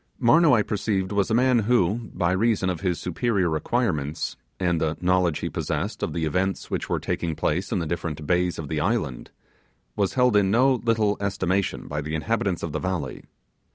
Marnoo, I perceived, was a man who, by reason of his superior acquirements, and the knowledge he possessed of the events which were taking place in the different bays of the island, was held in no little estimation by the inhabitants of the valley.